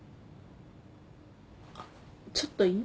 あっちょっといい？